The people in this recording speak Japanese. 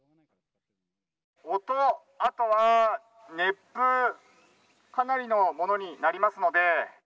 音、あとは熱風、かなりのものになりますので。